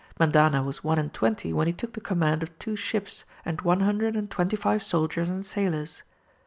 Mendana was one and twenty when he took the command of two ships and one hundred and twenty five soldiers and sailors.